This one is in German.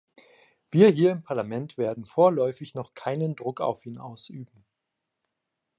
Wir hier im Parlament werden vorläufig noch keinen Druck auf ihn ausüben.